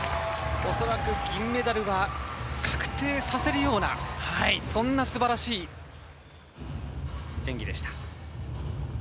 恐らく銀メダルは確定させるようなそんな素晴らしい演技でした。